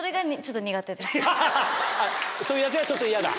ハハハそういうやつがちょっと嫌だ？